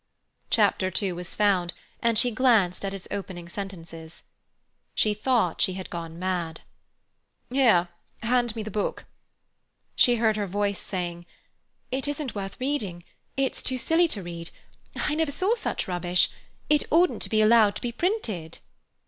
Chapter two was found, and she glanced at its opening sentences. She thought she had gone mad. "Here—hand me the book." She heard her voice saying: "It isn't worth reading—it's too silly to read—I never saw such rubbish—it oughtn't to be allowed to be printed."